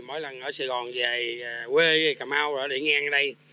mỗi lần ở sài gòn về quê cà mau rồi để ngang ở đây